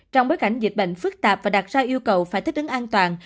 trong bối cảnh dịch bệnh phức tạp và đặt ra yêu cầu phải thích ứng an toàn